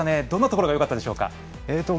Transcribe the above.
どんなところがよかったでしょうか。